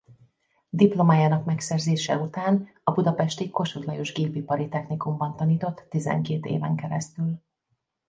Diplomájának megszerzése után a budapesti Kossuth Lajos Gépipari Technikumban tanított tizenkét éven keresztül.